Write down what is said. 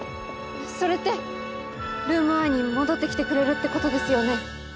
それってルーム１に戻ってきてくれるってことですよね？